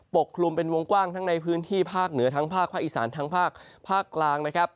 กลุ่มเป็นวงกว้างทั้งในพื้นที่ภาคเหนือทั้งภาคภาคอีสานทั้งภาคภาคกลางนะครับ